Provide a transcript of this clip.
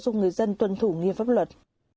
chúc người dân tuân thủ nghiệp pháp luật